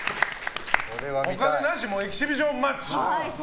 お金なし、エキシビションマッチ。